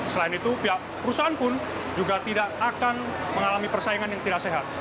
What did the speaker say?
selain itu pihak perusahaan pun juga tidak akan mengalami persaingan yang tidak sehat